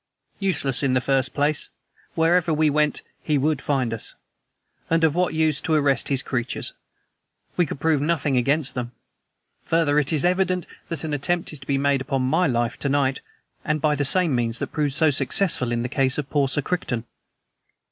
"Useless, in the first place. Wherever we went, HE would find us. And of what use to arrest his creatures? We could prove nothing against them. Further, it is evident that an attempt is to be made upon my life to night and by the same means that proved so successful in the case of poor Sir Crichton."